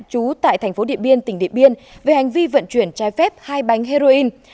chú tại tp điện biên tỉnh điện biên về hành vi vận chuyển trái phép hai bánh heroin